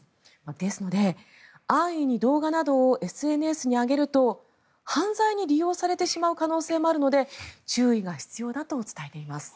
ですので、安易に動画などをＳＮＳに上げると犯罪に利用されてしまう可能性もあるので注意が必要だと伝えています。